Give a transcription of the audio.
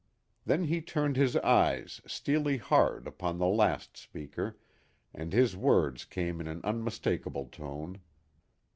Then he turned his eyes, steely hard, upon the last speaker, and his words came in an unmistakable tone.